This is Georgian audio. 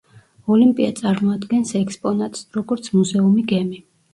ოლიმპია წარმოადგენს ექსპონატს, როგორც მუზეუმი–გემი.